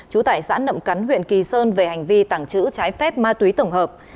chú tải sãn nậm cắn huyện kỳ sơn về hành vi tảng trữ trái phép ma túy tổng hợp